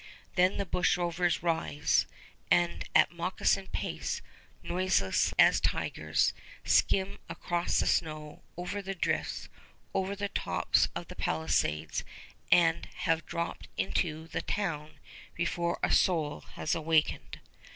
Then the bushrovers rise, and at moccasin pace, noiseless as tigers, skim across the snow, over the drifts, over the tops of the palisades, and have dropped into the town before a soul has awakened.